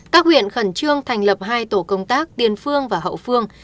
các huyện khẩn trương thành lập hai tổ công tác tiền phương và hậu phương